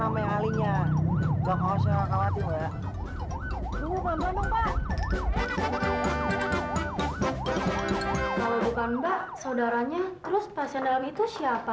sama yang lainnya nggak usah khawatir mbak kalau bukan mbak saudaranya terus pasien dalam itu siapa